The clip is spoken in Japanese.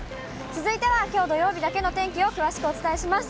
続いてはきょう土曜日だけの天気を詳しくお伝えします。